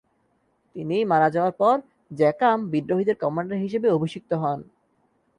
তিনি মারা যাওয়ার পর জ্যাকাম বিদ্রোহীদের কমান্ডার হিসেবে অভিষিক্ত হন।